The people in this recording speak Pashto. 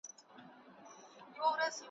په لوی لاس به دروازه د رزق تړمه `